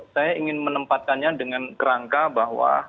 saya ingin menempatkannya dengan kerangka bahwa